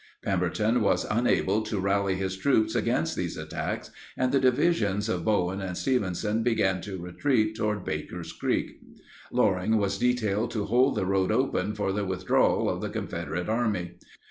Pemberton was unable to rally his troops against these attacks, and the divisions of Bowen and Stevenson began to retreat toward Baker's Creek. Loring was detailed to hold the road open for the withdrawal of the Confederate Army.